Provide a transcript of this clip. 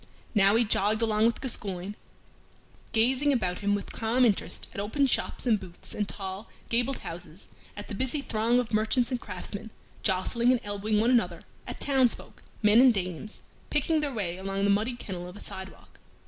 Now he jogged along with Gascoyne, gazing about him with calm interest at open shops and booths and tall, gabled houses; at the busy throng of merchants and craftsmen, jostling and elbowing one another; at townsfolk men and dames picking their way along the muddy kennel of a sidewalk.